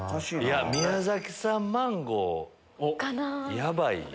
宮崎産マンゴーヤバいよ。